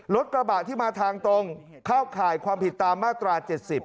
รถกระบะที่มาทางตรงเข้าข่ายความผิดตามมาตรา๗๐